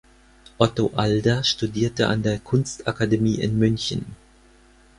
Otto Alder studierte an der Kunstakademie in München.